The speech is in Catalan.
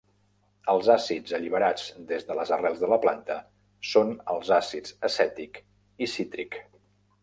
Els àcids alliberats des de les arrels de la planta són els àcids acètic i cítric.